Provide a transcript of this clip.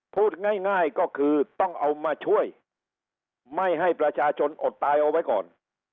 พูดง่ายก็คือต้องเอามาช่วยไม่ให้ประชาชนอดตายเอาไว้ก่อน